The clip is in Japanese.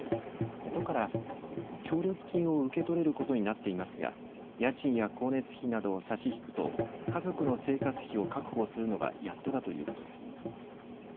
都から協力金を受け取れることになっていますが家賃や光熱費などを差し引くと家族の生活費を確保するのがやっとだということです。